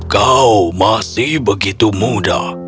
kau masih begitu muda